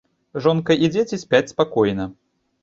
Жонка і дзеці спяць спакойна.